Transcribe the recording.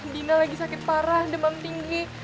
dina lagi sakit parah demam tinggi